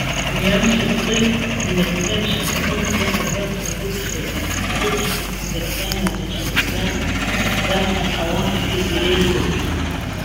Уи амш рхы инаркны ршьапаҟынӡа агәаҟра рыкәшоит. Иҟашәҵақәаз ргьама рахьырхәра жәба!- ҳәа Аллаҳгьы иреиҳәоит.